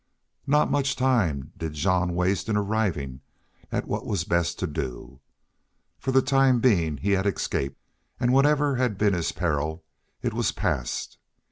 Not much time did Jean waste in arriving at what was best to do. For the time being he had escaped, and whatever had been his peril, it was past.